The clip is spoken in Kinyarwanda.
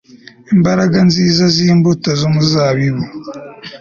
imbaraga nziza zimbuto z'umuzabibi